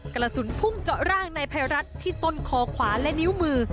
กระสุนพุ่งเจาะร่างนายภัยรัฐที่ต้นคอขวาและนิ้วมือ